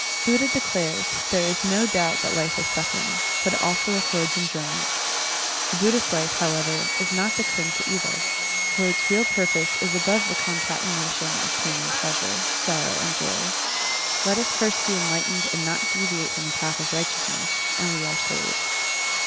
Buddha declares, there is no doubt that life is suffering, but it also affords enjoyment. The Buddhist life, however, is not to cling to either, for its real purpose is above the concatenation of pain and pleasure, sorrow and joy. Let us first be enlightened and not deviate from the path of righteousness, and we are saved.